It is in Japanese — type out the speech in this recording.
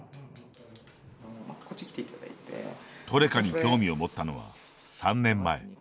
トレカに興味を持ったのは３年前。